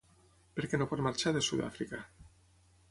Per què no pot marxar de Sud-àfrica?